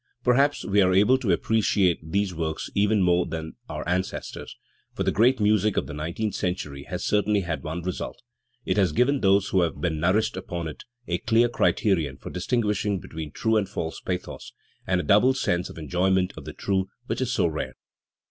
Per haps we are able to appreciate these works even more than our ancestors, for the great music of the nineteenth cent ury has certainly had one result it has given those who have been nourished upon it a clear criterion for distinguish ing between true and false pathos, and a doubled sense of enjoyment of the true, which is so rare.